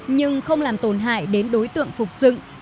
nhưng không làm tổn hại đến đối tượng phục dựng